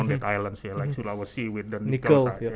seperti sulawesi dengan nikol